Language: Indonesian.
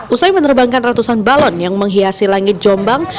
usai menerbangkan ratusan balon yang menghiasi langit jombang